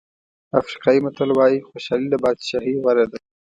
افریقایي متل وایي خوشالي له بادشاهۍ غوره ده.